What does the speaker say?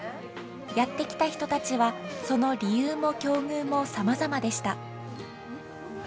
やって来た人たちはその理由も境遇もさまざまでした。